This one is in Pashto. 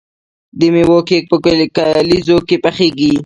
د میوو کیک په کلیزو کې پخیږي.